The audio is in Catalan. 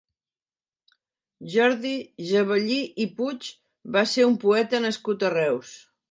Jordi Gebellí i Puig va ser un poeta nascut a Reus.